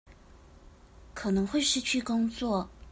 可能會失去工作